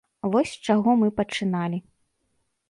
Вось з чаго мы пачыналі.